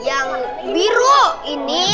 yang biru ini